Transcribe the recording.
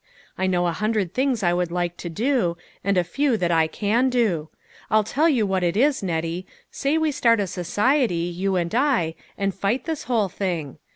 I know a hun dred things I would like to do, and a few that I can do. I'll tell you what it is, Nettie, say we start a society, you and I, and fight this whole thing?